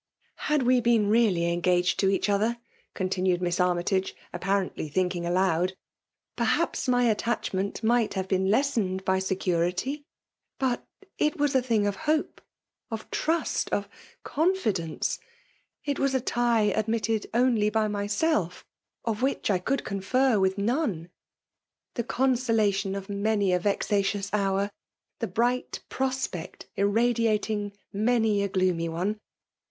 *' ^*Had we been really engaged to each otiier," continued Miss Armytage, apparently thinking aloud, '* perhaps my attachment ^ight have been lessened by security. But it was a thing <^ hope, of teust, of confidence. It was a tie admitted only by myself> of which I l!euld> confer, with nooe, ^ the consolation of m2 244 FBMALB DOMINATION. many a vexatious hour, — the bright pro8;)ect itradiating many a gloomy one.